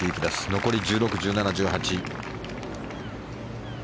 残り１６、１７、１８。